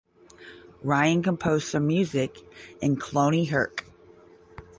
Ryan composed some music in Cloneyhurke.